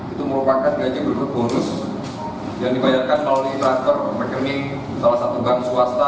itu merupakan gaji berikut bonus yang dibayarkan melalui transfer rekening salah satu bank swasta